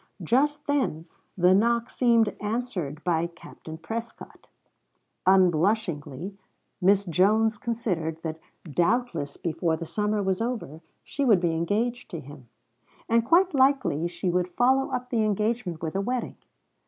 Just then the knock seemed answered by Captain Prescott. Unblushingly Miss Jones considered that doubtless before the summer was over she would be engaged to him. And quite likely she would follow up the engagement with a wedding.